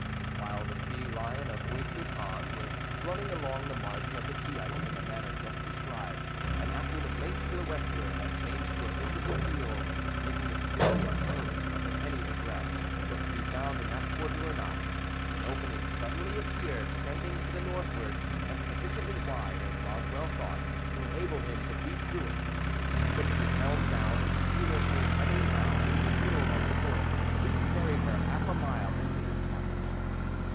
While the Sea Lion of Oyster Pond was running along the margin of the ice in the manner just described, and after the blink to the westward had changed to a visible field, making it very uncertain whether any egress was to be found in that quarter or not, an opening suddenly appeared trending to the northward, and sufficiently wide, as Roswell thought, to enable him to beat through it. Putting his helm down, his schooner came heavily round, and was filled on a course that soon carried her half a mile into this passage.